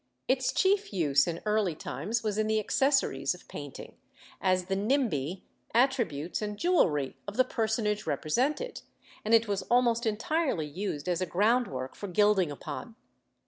Its chief use in early times was in the accessories of painting, as the nimbi, attributes, and jewellery of the personage represented, and it was almost entirely used as a ground work for gilding upon.